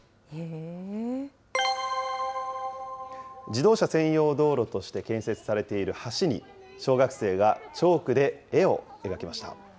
自動車専用道路として建設されている橋に、小学生がチョークで絵を描きました。